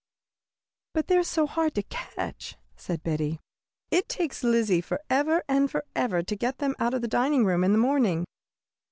"But they are so hard to catch," said Betty; "it takes Lizzie forever and forever to get them out of the dining room in the morning."